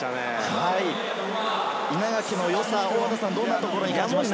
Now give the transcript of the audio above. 稲垣の良さはどんなところに感じましたか？